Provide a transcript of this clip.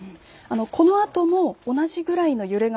このあとも同じくらいの揺れが